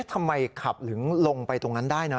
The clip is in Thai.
ทำไมขับถึงลงไปตรงนั้นได้นะ